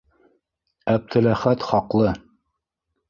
Әптеләхәт хаҡлы.